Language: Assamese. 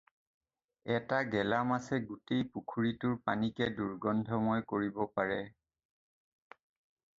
এটা গেলা মাছে গোটেই পুখুৰীটোৰ পানীকে দুৰ্গন্ধময় কৰিব পাৰে।